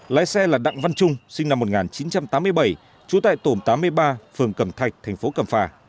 lái xe là đặng văn trung sinh năm một nghìn chín trăm tám mươi bảy trú tại tổm tám mươi ba phường cầm thạch thành phố cầm phà